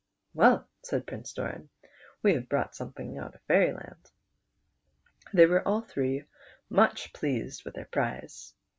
"Well," said Prince Doran, "we have brought some thing out of Fairyland." They were all three much pleased with their prize.